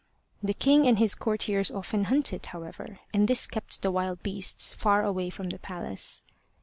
The king and his courtiers often hunted, however, and this kept the wild beasts far away from the palace.